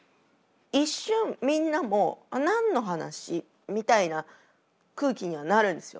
一瞬みんなも「何の話？」みたいな空気にはなるんですよ。